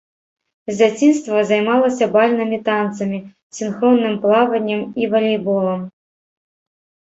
З дзяцінства займалася бальнымі танцамі, сінхронным плаваннем і валейболам.